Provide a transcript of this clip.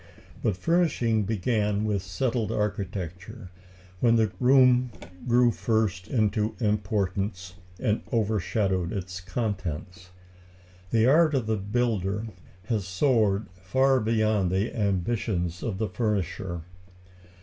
But furnishing began with settled architecture, when the room grew first into importance, and overshadowed its contents. The art of the builder had soared far beyond the ambitions of the furnisher.